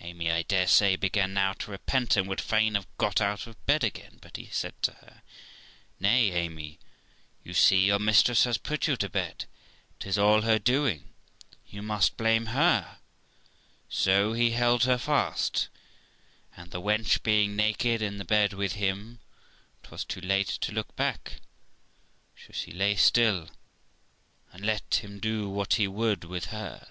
Amy, I dare say, began now to repent, and would fain have got out of bed again ; but he said to her, ' Nay, Amy, you see your mistress has put you to bed ; 'tis all her doing ; you must blame her.' So he held her fast, and, the wench being naked in the bed with him, it was too late to look back, so she lay still and let him do what he would with her.